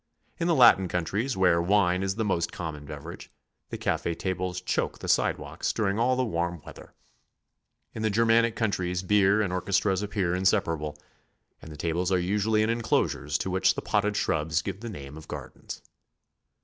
In the Latin countries, where wine is the most common beverage, the cafe tables choke the sidewalks during all the warm weather. In the Germanic countries, beer and orchestras GOING ABROAD? 182 appear inseparable, and the tables are usually in enclosures to which potted shrubs give the name of gardens.